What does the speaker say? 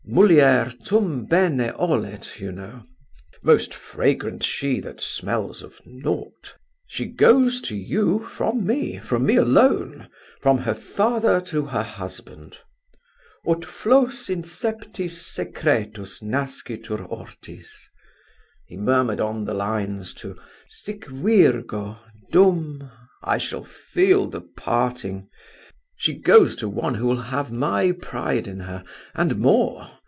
'Mulier tum bene olet', you know. Most fragrant she that smells of naught. She goes to you from me, from me alone, from her father to her husband. 'Ut flos in septis secretus nascitur hortis.'" He murmured on the lines to, "'Sic virgo, dum ...' I shall feel the parting. She goes to one who will have my pride in her, and more.